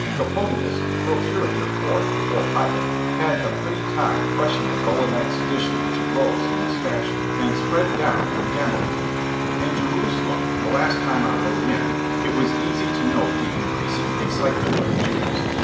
Coponius, procurator fourth before Pilate, had a pretty time crushing the Gaulonite sedition which arose in this fashion and spread down from Gamala. In Jerusalem, that last time I rode in, it was easy to note the increasing excitement of the Jews.